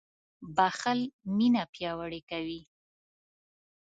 • بښل مینه پیاوړې کوي.